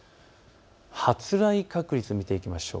発雷確率を見ていきましょう。